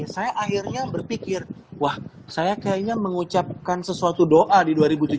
saya akhirnya berpikir wah saya kayaknya mengucapkan sesuatu doa di dua ribu tujuh belas